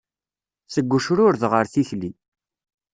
Seg ucrured ɣar tikli.